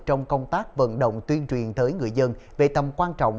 trong công tác vận động tuyên truyền tới người dân về tầm quan trọng